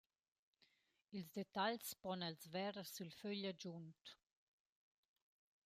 Ils detagls pon Els verer sül fögl agiunt.